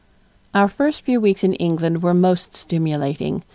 Our first few weeks in England were most stimulating.